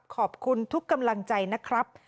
ขอบคุณทุกกำลังใจนะครับ